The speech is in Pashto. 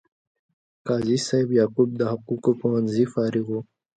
قاضي صاحب یعقوب د حقوقو پوهنځي فارغ و.